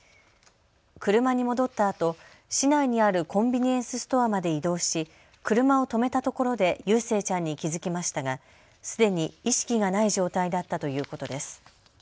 車に戻ったあと、市内にあるコンビニエンスストアまで移動し車を止めたところでゆう誠ちゃんに気付きましたがすでに意識がない状態だったということです。